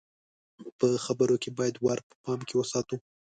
په خبرو کې بايد وار په پام کې وساتو.